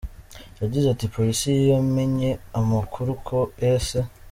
Yagize ati “Polisi yamenye amakuru ko S.